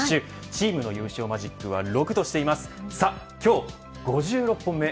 チームの優勝マジックを６としています。